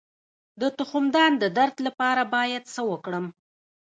د تخمدان د درد لپاره باید څه وکړم؟